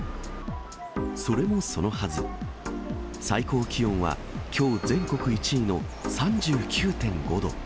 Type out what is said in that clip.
それもそのはず、最高気温はきょう全国１位の３９．５度。